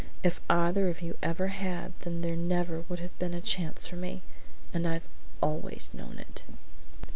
If either of you ever had, there never would have been a chance for me, and I've always known it!"